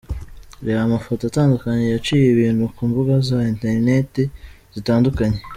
Reba amafoto atandukanye yaciye ibintu ku mbuga za interineti zitandukanye .